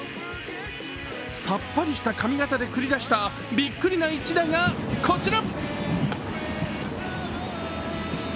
さっぱりした髪形で繰り出したびっくりな一打がこちら。